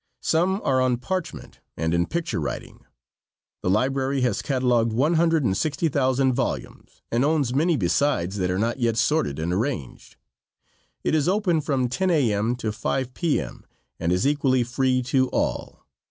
Some are on parchment and in picture writing. The library has catalogued one hundred and sixty thousand volumes, and owns many besides that are not yet sorted and arranged. It is open from 10 A.M. to 5 P.M., and is equally free to all.